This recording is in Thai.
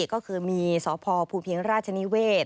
ก็คือมีสพภูเพียงราชนิเวศ